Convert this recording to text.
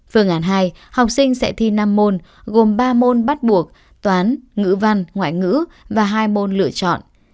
phương án hai học sinh sẽ thi năm môn gồm ba môn bắt buộc toán ngữ văn ngoại ngữ và hai môn lựa chọn